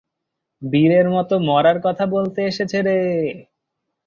বীরের মতো মরার কথা বলতে এসেছে রে।